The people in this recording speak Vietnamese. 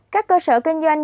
các cơ sở kinh doanh